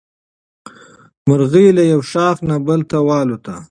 مرغۍ له یو ښاخ نه بل ته والوتله.